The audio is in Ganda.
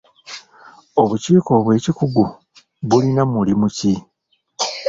Obukiiko obw'ekikugu bulina mulimu ki?